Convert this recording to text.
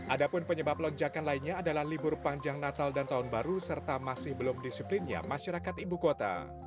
ada pun penyebab lonjakan lainnya adalah libur panjang natal dan tahun baru serta masih belum disiplinnya masyarakat ibu kota